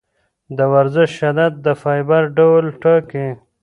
د ورزش شدت د فایبر ډول ټاکي.